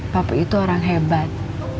papi itu orang hebat